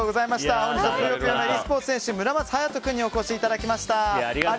本日は「ぷよぷよｅスポーツ」選手村松勇人君にお越しいただきました。